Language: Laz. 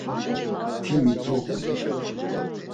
Ti mit̆roxun.